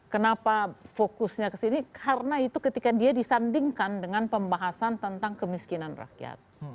kenapa fokusnya ke sini karena itu ketika dia disandingkan dengan pembahasan tentang kemiskinan rakyat